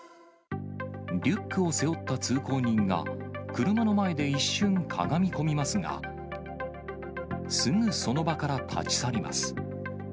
リュックを背負った通行人が、車の前で一瞬、かがみ込みますが、すぐその場から立ち去ります。